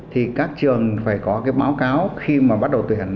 thì các trường phải có cái báo cáo khi mà bắt đầu tuyển